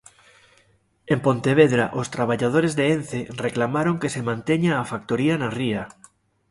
En Pontevedra, os traballadores de Ence reclamaron que se manteña a factoría na ría.